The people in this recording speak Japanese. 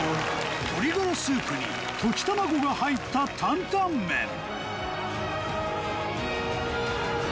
鶏ガラスープに溶き卵が入ったタンタンメン